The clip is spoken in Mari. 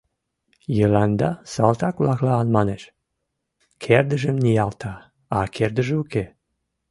— Йыланда салтак-влаклан манеш, кердыжым ниялта, а кердыже уке.